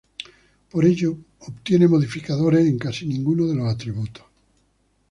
Por ello obtiene modificadores en casi ninguno de los atributos.